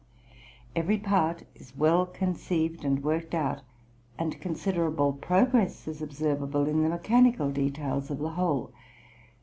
Every part is well conceived and worked out, and considerable progress is observable in the mechanical details of the whole.